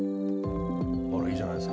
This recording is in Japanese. いいじゃないですか。